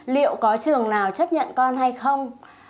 liệu có trường nào chấp nhận con hay không